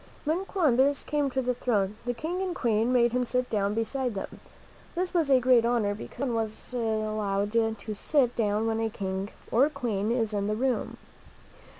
When Columbus came to the throne, the King and Queen made him sit down beside them. This was a great honor, because no one is allowed to sit down when a king or queen is in the room.